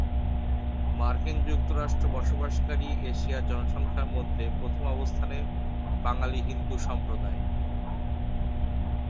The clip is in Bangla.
মার্কিন যুক্তরাষ্ট্র বসবাসকারী এশিয়ার জনসংখ্যার মধ্যে প্রথম অবস্থানে বাঙালি হিন্দু সম্প্রদায়।